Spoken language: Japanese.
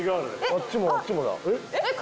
あっちもあっちもだえっ！？